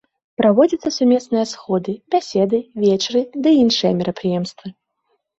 Праводзяцца сумесныя сходы, бяседы, вечары ды іншыя мерапрыемствы.